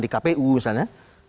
di kpu misalnya